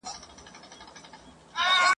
کنه ولي به مي شپه وړلای مخموره ..